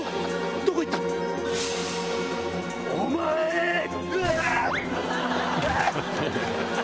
どこ行った⁉ぐあ！